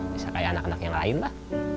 bisa kayak anak anak yang lain lah